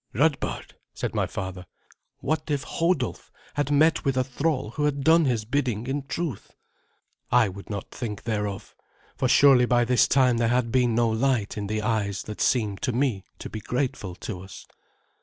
"Radbard," said my father, "what if Hodulf had met with a thrall who had done his bidding in truth?" I would not think thereof, for surely by this time there had been no light in the eyes that seemed to me to be grateful to us.